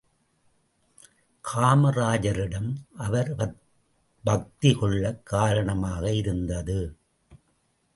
காமராஜரிடம் அவர் பக்தி கொள்ளக் காரணமாக இருந்தது.